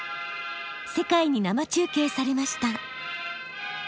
世界に生中継されました。